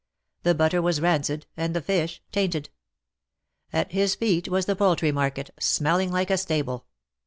The butter was rancid, and the fish tainted. At his feet was the poultry market, smelling like a stable.